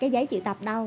cái giấy chị tập đâu